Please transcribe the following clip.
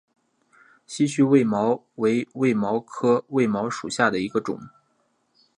稀序卫矛为卫矛科卫矛属下的一个种。